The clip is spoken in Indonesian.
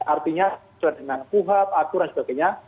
artinya sesuai dengan kuhab aturan sebagainya